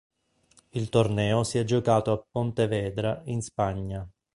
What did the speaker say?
Il torneo si è giocato a Pontevedra in Spagna.